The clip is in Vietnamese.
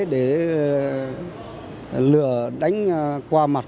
để lừa đánh qua mặt